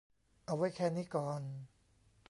เอาไว้แค่นี้ก่อน